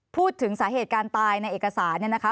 พูดถึงสาเหตุการตายในเอกสารเนี่ยนะคะ